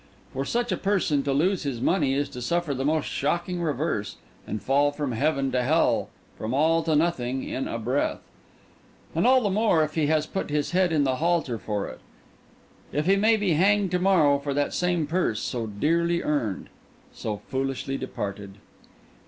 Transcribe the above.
For such a person to lose his money is to suffer the most shocking reverse, and fall from heaven to hell, from all to nothing, in a breath. And all the more if he has put his head in the halter for it; if he may be hanged to morrow for that same purse, so dearly earned, so foolishly departed!